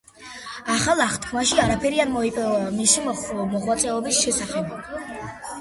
ახალ აღთქმაში არაფერი არ მოიპოვება მისი მოღვაწეობის შესახებ.